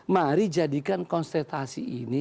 mari jadikan konstetasi ini